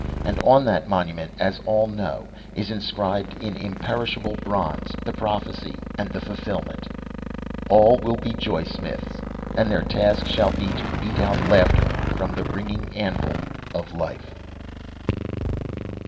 And on that monument, as all know, is inscribed in imperishable bronze the prophecy and the fulfilment: "ALL WILL BE JOY SMITHS, AND THEIR TASK SHALL BE TO BEAT OUT LAUGHTER FROM THE RINGING ANVIL OF LIFE."